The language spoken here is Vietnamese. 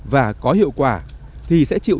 và có hiệu quả thì sẽ chịu